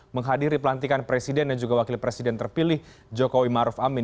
menghadiri pelantikan presiden dan juga wakil presiden terpilih jokowi maruf amin